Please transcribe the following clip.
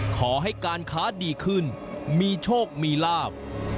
ขอให้การค้าดีขึ้นมีโชคมีลาบ